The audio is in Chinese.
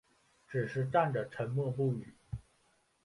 只是站着沉默不语